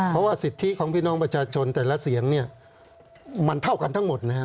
เพราะว่าสิทธิของพี่น้องประชาชนแต่ละเสียงเนี่ยมันเท่ากันทั้งหมดนะครับ